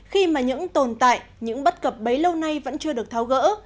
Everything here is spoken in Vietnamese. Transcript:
khi mà những tồn tại những bất cập bấy lâu nay vẫn chưa được tháo gỡ